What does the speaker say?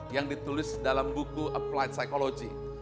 yang ditulis dalam buku applied psychology